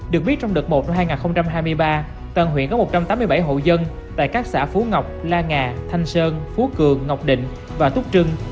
được biết trong đợt một năm hai nghìn hai mươi ba toàn huyện có một trăm tám mươi bảy hộ dân tại các xã phú ngọc la nga thanh sơn phú cường ngọc định và túc trưng